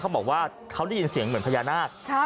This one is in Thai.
เขาบอกว่าเขาได้ยินเสียงเหมือนพญานาค